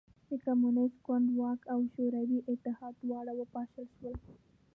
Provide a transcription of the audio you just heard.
د کمونېست ګوند واک او شوروي اتحاد دواړه وپاشل شول